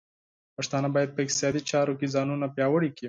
پښتانه بايد په اقتصادي چارو کې ځانونه پیاوړي کړي.